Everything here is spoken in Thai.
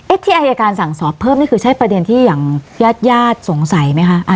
เอ๊ะที่อายการสั่งสอบเพิ่มนี้คือประเด็นอย่างแยดสงสัยไหมคะ